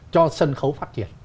cho sân khấu phát triển